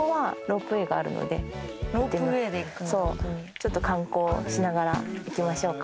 ちょっと観光しながら行きましょうか。